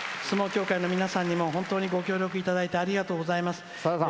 相撲協会の皆さんにも本当にご協力いただいてありがとうございます。